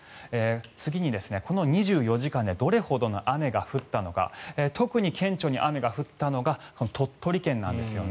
次に、この２４時間でどれほどの雨が降ったのか特に顕著に雨が降ったのが鳥取県なんですよね。